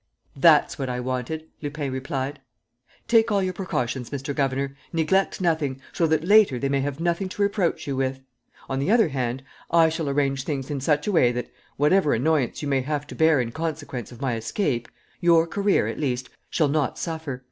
"That's what I wanted," Lupin replied. "Take all your precautions, Mr. Governor, neglect nothing, so that later they may have nothing to reproach you with. On the other hand, I shall arrange things in such a way that, whatever annoyance you may have to bear in consequence of my escape, your career, at least, shall not suffer.